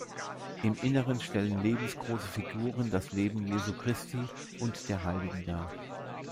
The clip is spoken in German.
Im Inneren stellen lebensgroße Figuren das Leben Jesu Christi und der Heiligen dar.